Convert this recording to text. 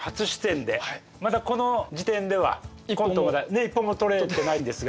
まだこの時点ではコントを一本も撮れてないんですが。